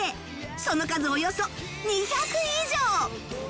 その数およそ２００以上！